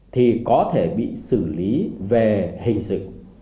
thì có thể bị xử lý về hình sự